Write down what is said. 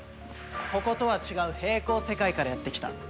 こことは違う並行世界からやって来た。